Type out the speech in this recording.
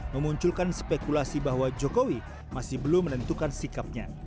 memunculkan spekulasi bahwa jokowi masih belum menentukan sikapnya